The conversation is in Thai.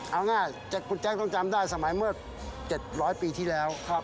เอาง่ายคุณแจ๊คต้องจำได้สมัยเมื่อ๗๐๐ปีที่แล้ว